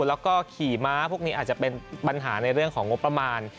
แล้วก็ขี่ม้าพวกนี้อาจจะเป็นปัญหาในเรื่องของงบประมาณ